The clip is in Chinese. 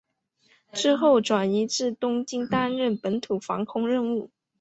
之后转移至东京担任本土防空任务。